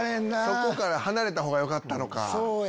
そこから離れたほうがよかったのか。